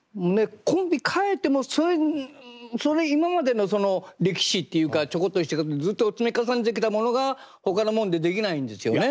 コンビ替えてもそれ今までのその歴史っていうかちょこっとしたずっと積み重ねてきたものがほかのもんでできないんですよね。